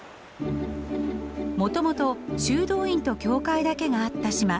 もともと修道院と教会だけがあった島